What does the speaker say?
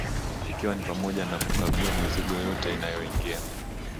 ikiwa ni pamoja na kukagua mizigo yote inayoingia